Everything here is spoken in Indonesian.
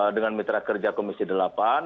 dengan mitra kerja komisi delapan